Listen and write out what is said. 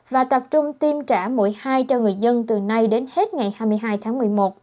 và tập trung tiêm trả mũi hai cho người dân từ nay đến hết ngày hai mươi hai tháng một mươi một